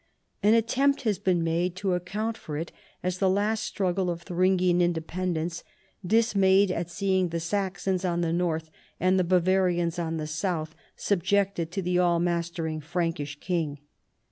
An attempt has been made to account for it as the last struggle of Thuringian independence, dismayed at seeino; the Saxons on the north and the Bavarians on the south subjected to the all mastering Frankish king.